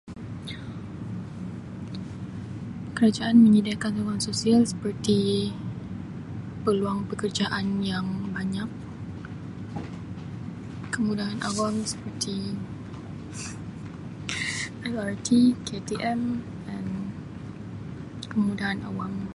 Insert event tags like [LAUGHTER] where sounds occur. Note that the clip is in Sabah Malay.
"Kerajaan menyediakan sokongan sosial seperti peluang pekerjaan yang banyak, kemudahan awam seperti [LAUGHS] LRT, KTM ""and"" kemudahan awam."